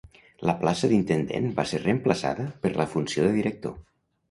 La plaça d'intendent va ser reemplaçada per la funció de director.